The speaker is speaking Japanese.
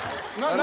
何？